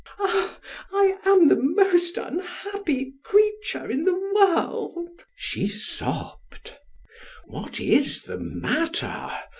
"Ah, I am the most unhappy creature in the world!" she sobbed. "What is the matter?"